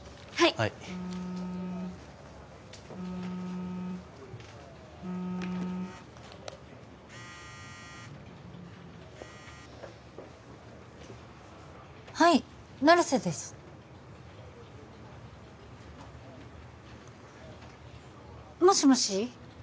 はいはい成瀬ですもしもし？